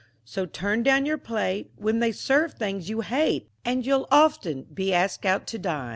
So turn down your plate When they serve things you hate, And you'll often be asked out to dign.